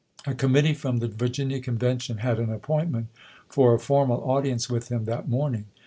A committee from the Virginia Convention had an appointment for a formal audience with him that morning.